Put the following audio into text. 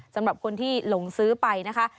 สำหรับคนที่หลงซื้อไปนะคะ